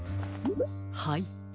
はい。